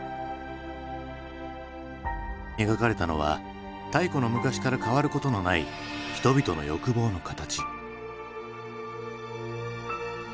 描かれたのは太古の昔から変わることのない人々の欲望の形。